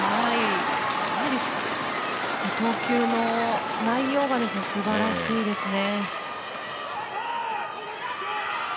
やはり投球の内容がすばらしいですね。